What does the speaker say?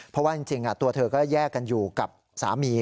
เพราะว่าจริงตัวเธอก็แยกกันอยู่กับสามี